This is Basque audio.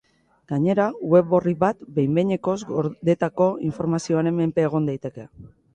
Gainera, web orri bat behin-behinekoz gordetako informazioaren menpe egon daiteke.